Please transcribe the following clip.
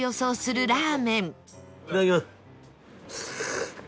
いただきます。